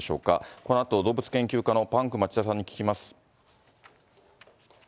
このあと、動物研究家のパンク町田さんに聞きます。